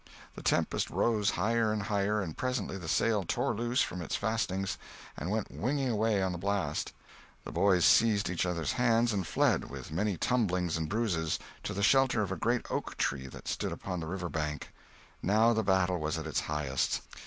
The tempest rose higher and higher, and presently the sail tore loose from its fastenings and went winging away on the blast. The boys seized each others' hands and fled, with many tumblings and bruises, to the shelter of a great oak that stood upon the riverbank. Now the battle was at its highest.